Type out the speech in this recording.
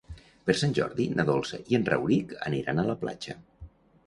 Per Sant Jordi na Dolça i en Rauric aniran a la platja.